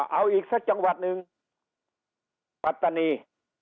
เอาอีกสักจังหวัดหนึ่งปัตตานี